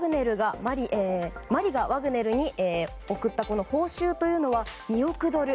マリがワグネルに送った報酬は２億ドル。